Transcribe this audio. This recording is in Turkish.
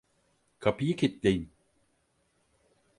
Kapıyı kilitleyin.